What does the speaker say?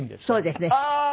そうですね。